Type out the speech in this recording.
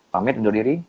pamit undur diri